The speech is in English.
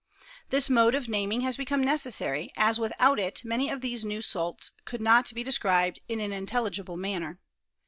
This mode of naming has become necessary, as without it many of these new salts could not be described in an in telligible manner.